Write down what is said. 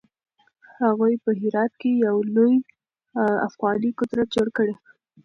هغوی په هرات کې يو لوی افغاني قدرت جوړ کړ.